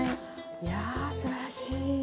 いやすばらしい。